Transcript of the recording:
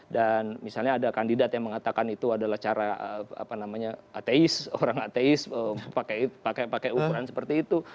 dan misalnya ada kandidat yang mengatakan itu adalah cara apa namanya ateis orang ateis pakai ukuran seperti itu